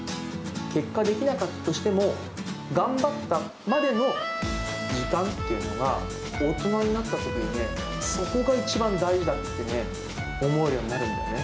結果できなかったとしても、頑張ったまでの時間っていうのが、大人になったときにね、そこが一番大事だって思えるようになるんだよね。